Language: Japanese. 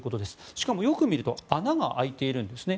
しかも、よく見ると穴が開いているんですね。